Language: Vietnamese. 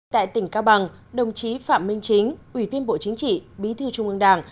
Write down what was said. tại tỉnh cao bằng đồng chí phạm minh chính ủy viên bộ chính trị bí thư trung ương đảng